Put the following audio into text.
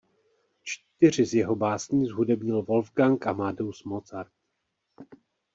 Čtyři z jeho básní zhudebnil Wolfgang Amadeus Mozart.